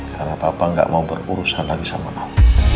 karena papa gak mau berurusan lagi sama kamu